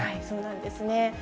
そうなんですね。